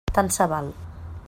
Tant se val.